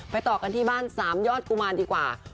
ต่อกันที่บ้าน๓ยอดกุมารดีกว่า